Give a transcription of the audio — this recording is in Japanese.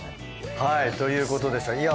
はいということでした。